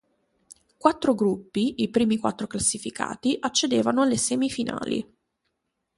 Quattro gruppi, i primi quattro classificati accedevano alle semifinali.